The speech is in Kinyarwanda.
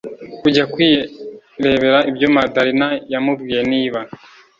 kujya kwirebera ibyo madalina yamubwiye niba